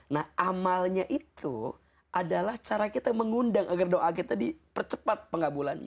nah amalnya itu adalah cara kita mengundang agar doa kita dipercepat pengabulannya